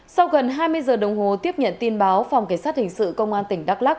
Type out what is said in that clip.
sau gần hai mươi giờ đồng hồ tiếp nhận tin báo phòng cảnh sát hình sự công an tỉnh đắk lắc